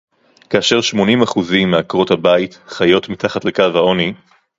כאשר שמונים אחוזים מעקרות-הבית חיות מתחת לקו העוני